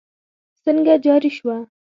سکه جاري شوه.